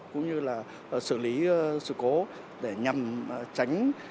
cũng như là xử lý sự cố để nhằm tránh